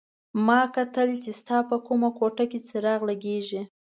ما کتل چې ستا په کومه کوټه کې څراغ لګېږي.